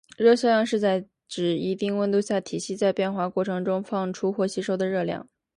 热效应是指在一定温度下，体系在变化过程中放出或吸收的热量。